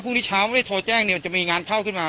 ที่เช้าไม่ได้โทรแจ้งเนี่ยมันจะมีงานเข้าขึ้นมา